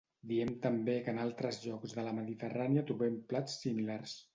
Diem també que en altres llocs de la Mediterrània trobem plats similars